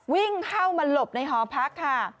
วิ่งเข้ามาหลบในหอพักค่ะ